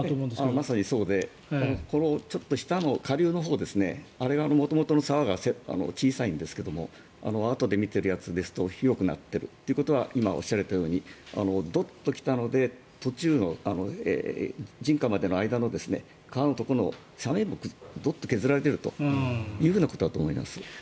まさにそうでちょっと下の、下流のほうあれが元々の沢が小さいんですがあとで見ているやつですと広くなっているということは今、おっしゃられたようにドッと来たので途中の人家までの間の川のところの斜面もドッと削られているということだと思います。